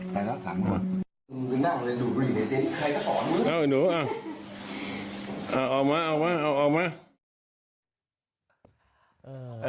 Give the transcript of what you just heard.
กระแทนแล้วเนี่ยกระแทนแล้วเนี่ย